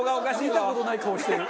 見た事ない顔してる。